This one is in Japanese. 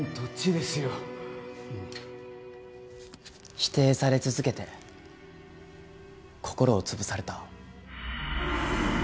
否定され続けて心を潰された。